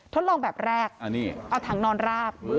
ทดลองแบบแรกเอาถังนอนราบ